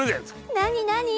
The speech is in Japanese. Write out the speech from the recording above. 何何？